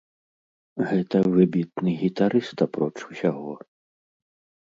Гэта выбітны гітарыст, апроч усяго.